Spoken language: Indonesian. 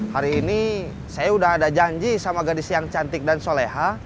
hari ini saya sudah ada janji sama gadis yang cantik dan soleha